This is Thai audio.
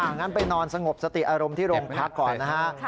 งั้นไปนอนสงบสติอารมณ์ที่โรงพักก่อนนะฮะ